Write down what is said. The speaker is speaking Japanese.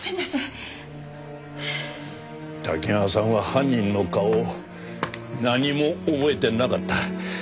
多岐川さんは犯人の顔を何も覚えてなかった。